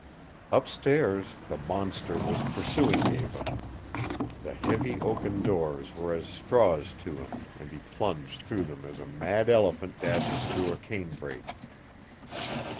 Up stairs, the monster was pursuing Eva. The heavy oaken doors were as straws to him, and he plunged through them as a mad elephant dashes through a canebrake.